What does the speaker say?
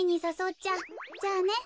じゃあね。